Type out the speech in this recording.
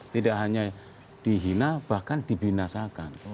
tidak hanya dihina bahkan dibinasakan